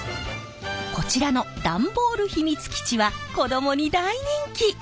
こちらの段ボール秘密基地は子どもに大人気！